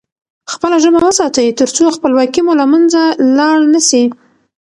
خپله ژبه وساتئ ترڅو خپلواکي مو له منځه لاړ نه سي.